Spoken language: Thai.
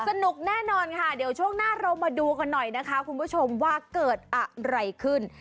สนุกแน่นอนค่ะเดี๋ยวช่วงหน้าเรามาดูกันหน่อยนะคะคุณผู้ชมว่าเกิดอะไรขึ้น